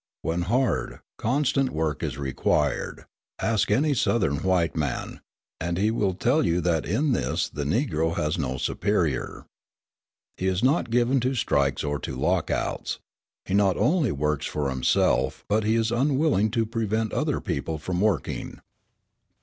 When hard, constant work is required, ask any Southern white man, and he will tell you that in this the Negro has no superior. He is not given to strikes or to lockouts. He not only works himself, but he is unwilling to prevent other people from working.